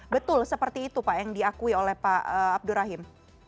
betul seperti itu pak yang diakui oleh pak abdur rahim